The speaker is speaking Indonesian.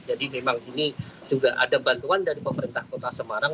jadi memang ini juga ada bantuan dari pemerintah kota semarang